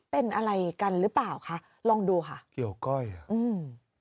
เป็นอะไรกันหรือเปล่าคะลองดูค่ะเกี่ยวก้อยอ่ะอืม